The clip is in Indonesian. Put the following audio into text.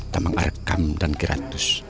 teman arkam dan kiratus